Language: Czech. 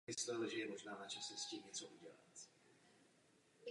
Jacques Delors prohlásil, že vnitřní trh si nikdo nemůže zamilovat.